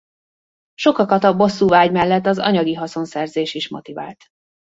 Sokakat a bosszúvágy mellett az anyagi haszonszerzés is motivált.